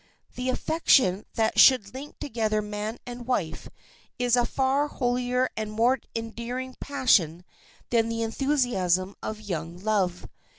The affection that should link together man and wife is a far holier and more enduring passion than the enthusiasm of young love.